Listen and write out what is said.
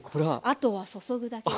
あとは注ぐだけです。